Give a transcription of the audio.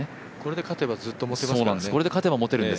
これで勝てばずっと持てますからね。